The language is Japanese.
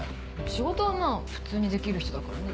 仕事はまぁ普通にできる人だからね。